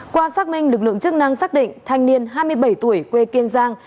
qua xác minh lực lượng chức năng xác định thanh niên hai mươi bảy tuổi quê kiên giang